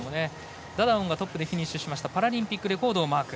ダダオンがトップでフィニッシュパラリンピックレコードをマーク。